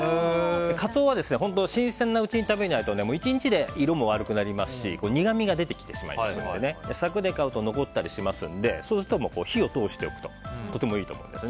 カツオは本当に新鮮なうちに食べないと１日で色も悪くなりますし苦みが出てきてしまうので柵で買うと残ったりしますのでそうすると、火を通しておくととてもいいと思います。